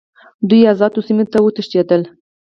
دوی آزادو سیمو ته وتښتېدل.